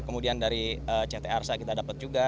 kemudian dari ct arsa kita dapat juga